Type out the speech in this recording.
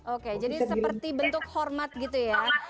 oke jadi seperti bentuk hormat gitu ya